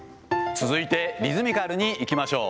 続いてリズミカルにいきましょう。